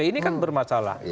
ini kan bermasalah